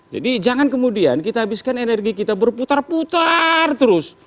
jadi jangan kemudian kita habiskan energi kita berputar putar terus